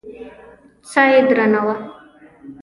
ساه يې درنه وه.